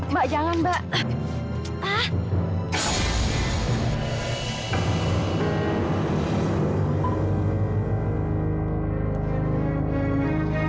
mbak jangan mbak